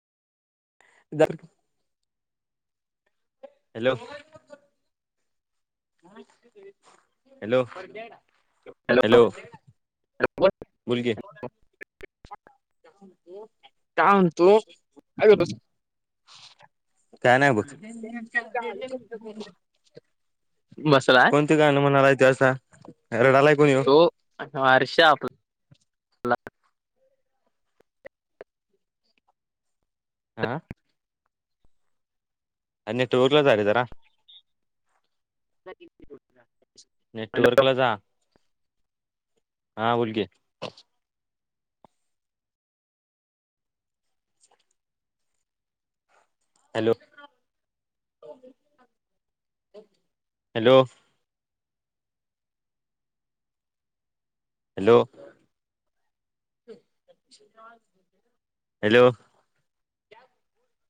[unintelligible] Hello! Hello! Hello. बोल कि. [unintelligible] काय म्हणतो काय करतोस [unintelligible] काय नाही. बग बसलाय. कोणती गाण म्हणालायच. असा रडालाय कोणी ये हो. वर्ष आह. अने टूरला. लग [unintelligible] ह नेट, वर्कला जा हा बोल की. हॅलो. हॅलो. हॅलो. हॅलो.